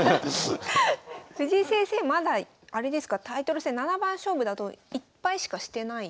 藤井先生まだあれですかタイトル戦七番勝負だと１敗しかしてない。